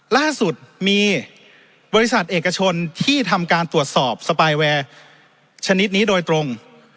ล่าสุดมีบริษัทเอกชนที่ทำการตรวจสอบสปายแวร์ชนิดนี้โดยตรง